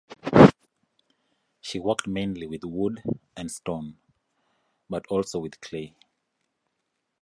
She worked mainly with wood and stone but also with clay.